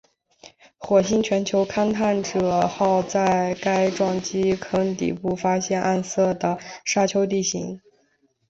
火星全球探勘者号在该撞击坑底部发现暗色的沙丘地形。